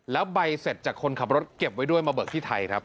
แล้วใบเสร็จจากคนขับรถเก็บไว้ด้วยมาเบิกที่ไทยครับ